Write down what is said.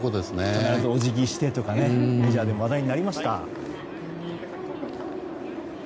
必ずお辞儀をしてとかメジャーでも話題になりました。